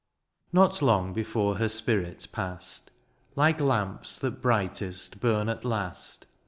Not long before her spirit passed. Like lamps that brightest bum at last.